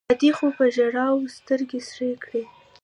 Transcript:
ادې خو په ژړاوو سترګې سرې کړې.